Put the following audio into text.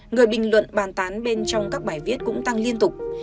người bình luận bàn tán bên trong các bài viết cũng tăng liên tục